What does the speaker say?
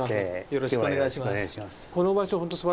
よろしくお願いします。